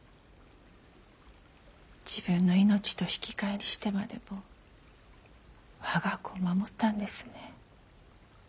自分の命と引き換えにしてまでも我が子を守ったんですね。